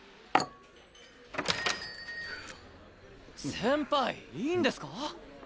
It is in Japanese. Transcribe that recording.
・先輩いいんですか？